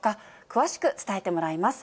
詳しく伝えてもらいます。